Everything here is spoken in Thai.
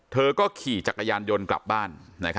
เธอก็ขี่จักรยานยนต์กลับบ้าน